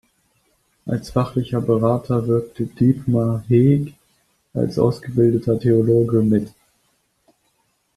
Als fachlicher Berater wirkte Dietmar Heeg als ausgebildeter Theologe mit.